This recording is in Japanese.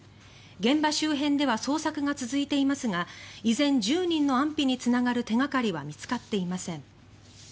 現場周辺では捜索が続いていますが依然、１０人の安否につながる手掛かりは見つかっていません。